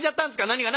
「何が？」。